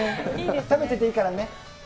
食べてていいからね。